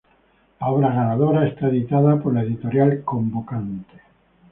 La obra ganadora es editada por la editorial convocante.